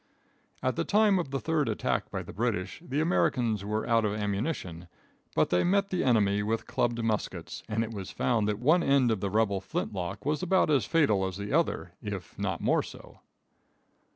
At the time of the third attack by the British, the Americans were out of ammunition, but they met the enemy with clubbed muskets, and it was found that one end of the rebel flint lock was about as fatal as the other, if not more so.